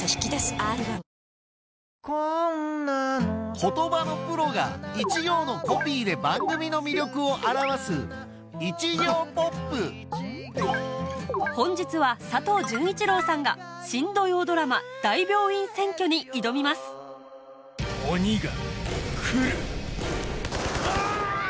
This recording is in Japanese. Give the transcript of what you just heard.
言葉のプロが一行のコピーで番組の魅力を表す本日は佐藤潤一郎さんが新土曜ドラマ『大病院占拠』に挑みますうわ！